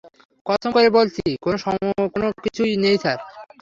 কসম করে বলছি, কোনো কিছুই নেই, স্যার।